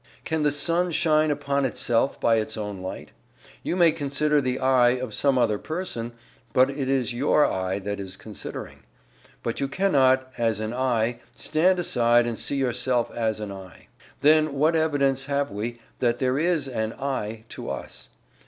Can the sun shine upon itself by its own light? You may consider the "I" of some other person, but it is your "I" that is considering. But you cannot, as an "I," stand aside and see yourself as an "I." Then what evidence have we that there is an "I" to us?